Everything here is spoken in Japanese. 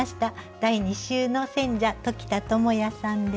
第２週の選者鴇田智哉さんです。